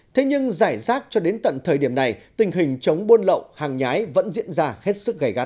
thế nhưng giải rác cho đến tận thời điểm này tình hình chống buôn lậu hàng nhái vẫn diễn ra hết sức gây gắt